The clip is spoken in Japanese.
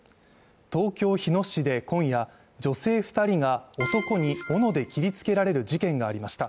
東京日野市で今夜、女性２人が男に斧で切りつけられる事件がありました。